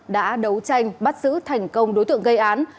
đã đấu tranh bắt giữ thành công đối tượng gây án